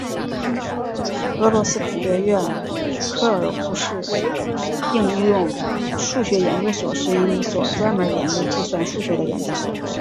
俄罗斯科学院克尔德什应用数学研究所是一所专门研究计算数学的研究所。